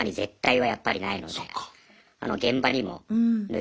はい。